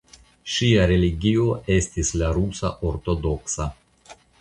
Ŝia religio estis la Rusa Ortodoksa.